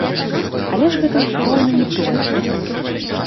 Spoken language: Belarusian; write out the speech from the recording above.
Але ж гэта ўсё роўна не тое.